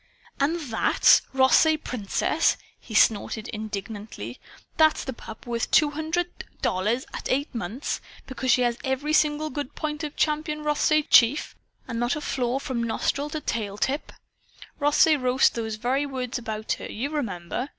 "And THAT'S Rothsay Princess!" he snorted indignantly. "That's the pup worth two hundred dollars at eight months, 'because she has every single good point of Champion Rothsay Chief and not a flaw from nostril to tail tip'! Rothsay wrote those very words about her, you remember.